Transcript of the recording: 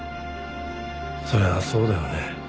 そりゃあそうだよね。